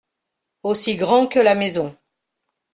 Aussi grand que la maison.